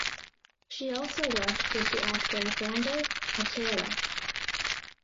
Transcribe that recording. She also worked with the actor Grande Otelo.